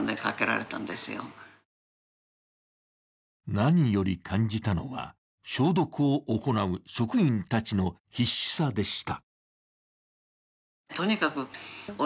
何より感じたのは、消毒を行う職員たちの必死さでした。